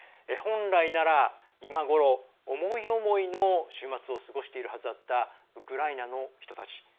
本来なら、今頃思い思いの週末を過ごしているはずだったウクライナの人たち。